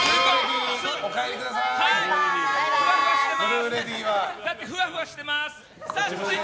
お帰りください。